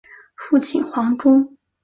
父亲黄中。